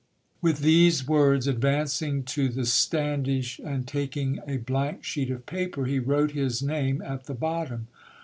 With these words, advancing to the standish and taking a blank sheet of paper, he wrote his name at the bottom.